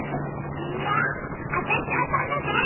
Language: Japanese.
みんなあたしとあそんでね！